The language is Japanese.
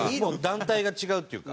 団体が違うっていうか。